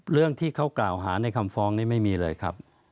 เรื่องที่เขากล่าวหาในคำฟ้องนี้ไม่มีเลยครับ